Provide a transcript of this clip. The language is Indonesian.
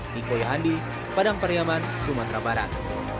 niko yahandi padang pariaman sumatera barat